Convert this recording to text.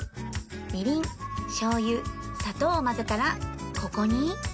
みりんしょう油砂糖を混ぜたらここに